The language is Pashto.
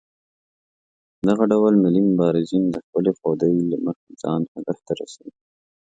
دغه ډول ملي مبارزین د خپلې خودۍ له مخې ځان هدف ته رسوي.